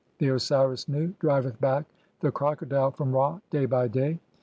'The Osiris Nu driveth back the Crocodile from Ra day by day.